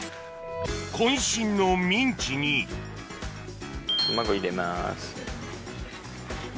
渾身のミンチに卵入れます。